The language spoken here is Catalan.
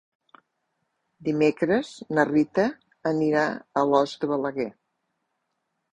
Dimecres na Rita anirà a Alòs de Balaguer.